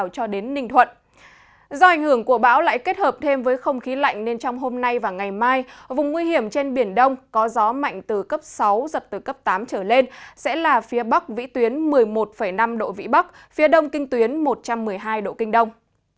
do ảnh hưởng của bão lại kết hợp thêm với không khí lạnh nên trong hôm nay và ngày mai vùng nguy hiểm trên biển đông có gió mạnh từ cấp sáu giật từ cấp tám trở lên sẽ là phía bắc vĩ tuyến một mươi một năm độ vĩ bắc phía đông kinh tuyến một trăm một mươi hai độ kinh đông